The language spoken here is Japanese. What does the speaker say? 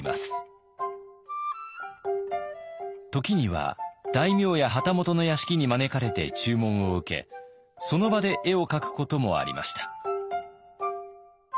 時には大名や旗本の屋敷に招かれて注文を受けその場で絵を描くこともありました。